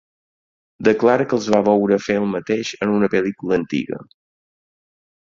Declara que els va veure fer el mateix en una pel·lícula antiga.